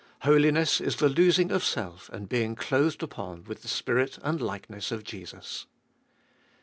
Holiness is the losing of self and being clothed upon with the spirit and likeness of Jesus.